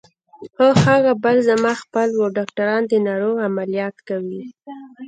خو هغه بل زما خپل و، ډاکټران د ناروغ عملیات کوي.